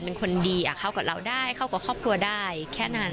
เป็นคนดีเข้ากับเราได้เข้ากับครอบครัวได้แค่นั้น